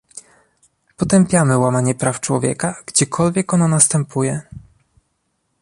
Potępiamy łamanie praw człowieka, gdziekolwiek ono następuje